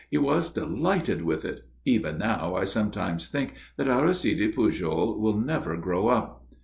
He was delighted with it. Even now I sometimes think that Aristide Pujol will never grow up.